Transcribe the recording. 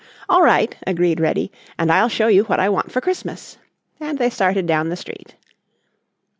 "All right," agreed Reddy, "and I'll show you what I want for Christmas," and they started down the street.